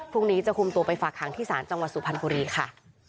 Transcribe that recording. พรุ่งนี้จะคุมตัวไปฝากหางที่ศาลจังหวัดสุพรรณบุรีค่ะ